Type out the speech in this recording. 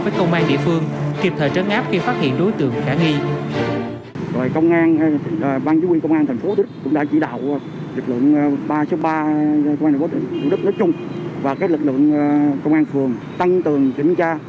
với công an địa phương kịp thời trấn áp khi phát hiện đối tượng khả nghi